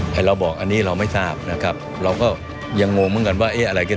ให้เราบอกอันนี้เราไม่ทราบนะครับเราก็ยังงงเหมือนกันว่าเอ๊ะอะไรกัน